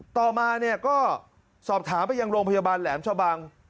ต่อมาเนี่ยก็สอบถามไปยังโรงพยาบาลแหลมชะบัง